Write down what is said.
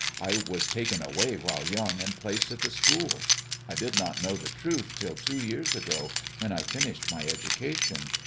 I was taken away while young and placed at the school. I did not know the truth till two years ago, when I finished my education.